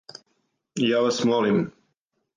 Ја вас молим.